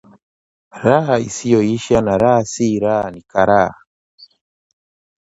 Raha isiyoisha na raha si raha ni karaha